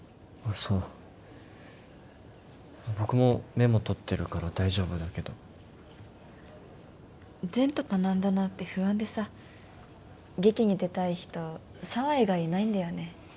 そう僕もメモ取ってるから大丈夫だけど前途多難だなって不安でさ劇に出たい人紗羽以外いないんだよね